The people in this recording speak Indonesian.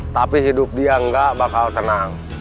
tapi hidup dia nggak bakal tenang